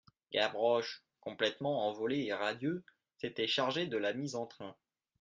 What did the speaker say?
Gavroche, complètement envolé et radieux, s'était chargé de la mise en train.